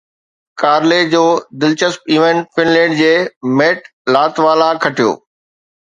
Carly جو دلچسپ event Finland جي ميٽ لاتوالا کٽيو